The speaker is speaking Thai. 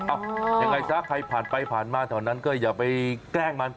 เอ้าทั้ง๔อย่างไรซะภันธ์ไปภันธ์มาสถานงอกก็อย่าไปแกล้งมัน